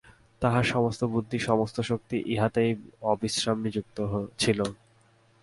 তাহার সমস্ত বুদ্ধি সমস্ত শক্তি ইহাতেই অবিশ্রাম নিযুক্ত ছিল।